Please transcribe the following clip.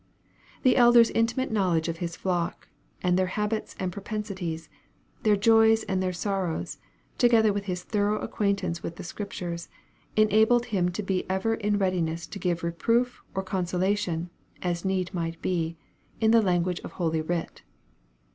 The Elder's intimate knowledge of his flock, and their habits and propensities, their joys and their sorrows, together with his thorough acquaintance with the Scriptures, enabled him to be ever in readiness to give reproof or consolation (as need might be,) in the language of Holy Writ.